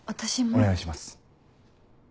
お願いします。